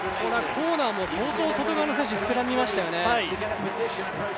コーナーも相当外側の選手膨らみましたよね。